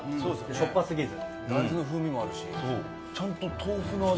しょっぱすぎず。